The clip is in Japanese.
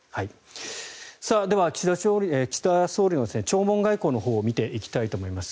では岸田総理の弔問外交のほうを見ていきたいと思います。